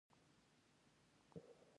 چارمغز د بدن لپاره ضروري معدني مواد لري.